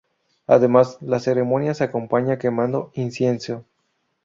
Además, la ceremonia se acompaña quemando incienso.